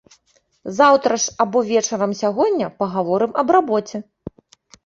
Заўтра ж або вечарам сягоння пагаворым аб рабоце.